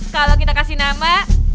kalau kita kasih nama